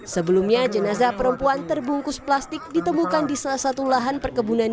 sebelumnya jenazah perempuan terbungkus plastik ditemukan di salah satu lahan perkebunan